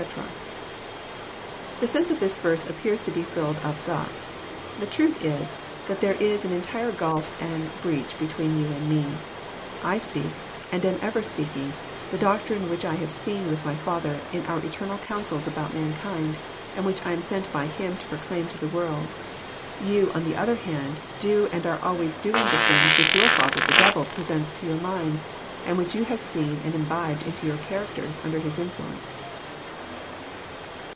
"] The sense of this verse appears to be filled up thus: <'The truth is, that there is an entire gulf and breach between you and Me. I speak, and am ever speaking, the doctrine which I have seen with My Father, in our eternal councils about mankind, and which I am sent by Him to pro claim to the world. You, on the other hand, do and are always doing the things which your father the devil presents to your minds, and which you have seen and imbibed into your charac ters, under his influence."